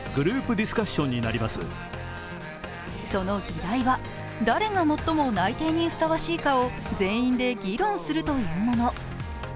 その議題は誰が最も内定にふさわしいかを全員で議論するというもの。